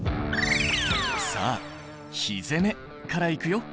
さあ火攻めからいくよ。